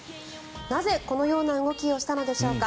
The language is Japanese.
なぜ、このような動きをしたのでしょうか。